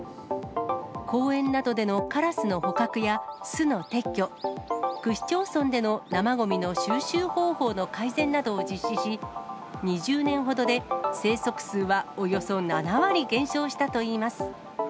公園などでのカラスの捕獲や、巣の撤去、区市町村での生ごみの収集方法の改善などを実施し、２０年ほどで生息数はおよそ７割減少したといいます。